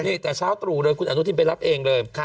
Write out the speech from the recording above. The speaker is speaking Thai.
นี่แต่เช้าตรู่เลยคุณอนุทินไปรับเองเลย